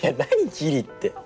ギリって。